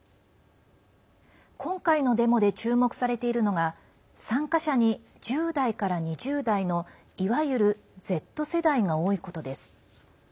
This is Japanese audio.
今回のデモで注目されているのが参加者に１０代から２０代のいわゆるＺ世代が多いことです。